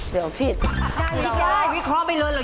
เดี๋ยวพิษย่ายวิเคราะห์ไปเลยหรอก